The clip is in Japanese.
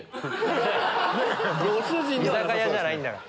居酒屋じゃないんだから。